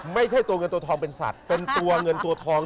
ไม่ใช่ตัวเงินตัวทองเป็นสัตว์เป็นตัวเงินตัวทอง